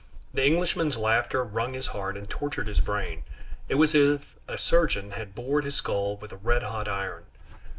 The Englishman's laughter wrung his heart and tortured his brain; it was as if a surgeon had bored his skull with a red hot iron.